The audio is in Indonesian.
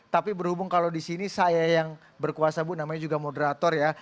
tapi berhubung kalau di sini saya yang berkuasa bu namanya juga moderator ya